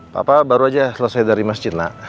papa baru aja selesai dari masjid nak